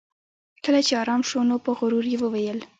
کله چې ارام شو نو په غرور یې وویل